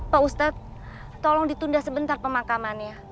pak ustadz tolong ditunda sebentar pemakamannya